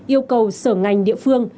yêu cầu sở ngành địa phương